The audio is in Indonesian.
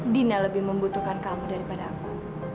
dina lebih membutuhkan kamu daripada aku